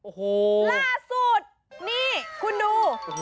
โอ้โหล่าสุดนี่คุณดู